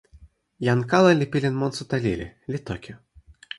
jan kala li pilin monsuta lili, li toki: